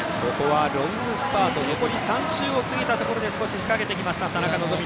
ロングスパート残り３周のところで少し仕掛けてきました田中希実。